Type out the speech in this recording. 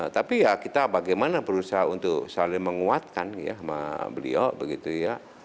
tapi ya kita bagaimana berusaha untuk saling menguatkan ya sama beliau begitu ya